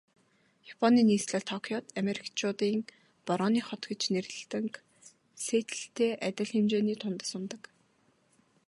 Японы нийслэл Токиод Америкчуудын Борооны хот гэж нэрлэдэг Сиэтллтэй адил хэмжээний тунадас унадаг.